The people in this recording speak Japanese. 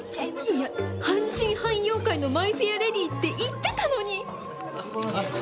いや『半人半妖怪』の『マイ・フェア・レディ』って言ってたのに！